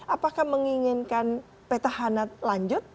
apakah menginginkan petahana lanjut